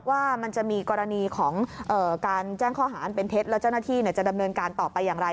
ว่ามันจะมีกรณีของการแจ้งข้อหาอันเป็นเท็จแล้วเจ้าหน้าที่จะดำเนินการต่อไปอย่างไร